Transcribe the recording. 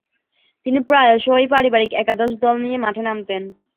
তারা প্রায়শঃই পারিবারিক একাদশ দল নিয়ে মাঠে নামতেন।